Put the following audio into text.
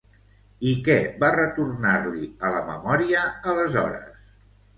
I què va retornar-li a la memòria, aleshores?